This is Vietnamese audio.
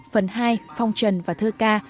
phần hai phong trần và thơ ca